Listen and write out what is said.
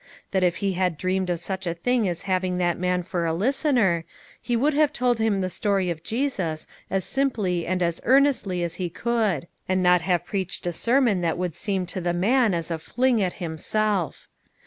That if he had dreamed of such a thing as having that man for a listener, he would have told him the story of Jesus as simply and as earnestly as he could ; and not have preached a sermon that would seem to the man as a fling at himself.